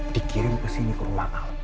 dikirim kesini ke rumah al